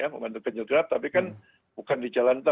membantu kenjal genap tapi kan bukan di jalan tal